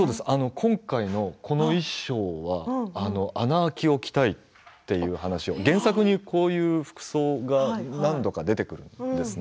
今回のこの衣装は穴あきを着たいという話を原作にこういう服装が何度か出てくるんですね